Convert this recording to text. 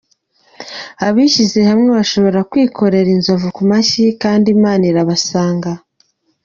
Abishyize hamwe bashobora kwikorera inzovu ku mashyi kandi Imana irabasanga.